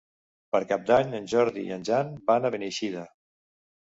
Per Cap d'Any en Jordi i en Jan van a Beneixida.